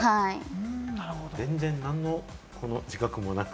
全然、何の自覚もなく？